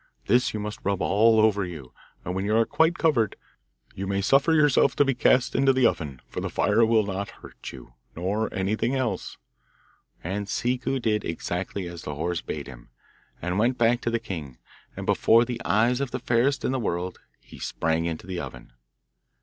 This you must rub all over you, and when you are quite covered, you may suffer yourself to be cast into the oven, for the fire will not hurt you, nor anything else.' And Ciccu did exactly as the horse bade him, and went back to the king, and before the eyes of the fairest in the world he sprang into the oven.